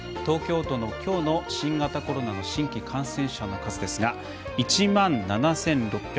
東京都のきょうの新型コロナの新規感染者の数ですが１万７６３１。